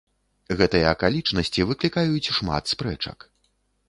Гэтыя акалічнасці выклікаюць шмат спрэчак.